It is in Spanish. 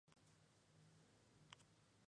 Las esporas son de color marrón amarillento.